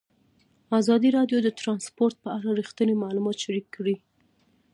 ازادي راډیو د ترانسپورټ په اړه رښتیني معلومات شریک کړي.